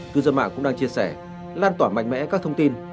cư dân mạng cũng đang chia sẻ lan tỏa mạnh mẽ các thông tin